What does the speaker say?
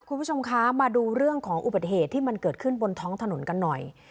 คุณผู้ชมคะมาดูเรื่องของอุบัติเหตุที่มันเกิดขึ้นบนท้องถนนกันหน่อย